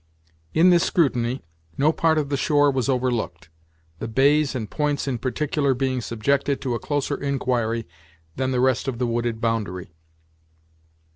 In this scrutiny, no part of the shore was overlooked; the bays and points in particular being subjected to a closer inquiry than the rest of the wooded boundary.